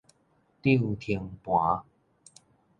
漲停盤